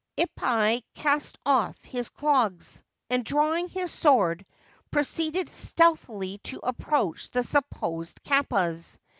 Ippai cast off his clogs, and, drawing his sword, pro ceeded stealthily to approach the supposed kappas.